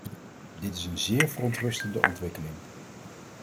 Dit is een zeer verontrustende ontwikkeling.